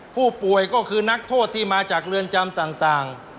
ผู้ป่วยก็คือนักโทษที่มาจากเรือนจำต่าง